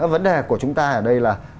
vấn đề của chúng ta ở đây là